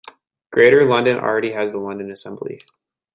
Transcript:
Greater London already has the London Assembly.